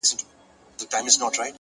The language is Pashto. پوهه له شکونو ځواکمنه ده،